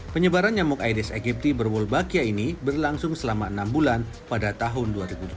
penyebaran nyamuk aedes egypti berbulbakia ini berlangsung selama enam bulan pada tahun dua ribu delapan belas